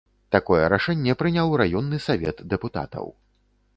Такое рашэнне прыняў раённы савет дэпутатаў.